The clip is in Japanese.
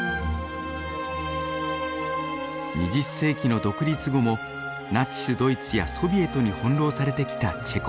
２０世紀の独立後もナチス・ドイツやソビエトに翻弄されてきたチェコ。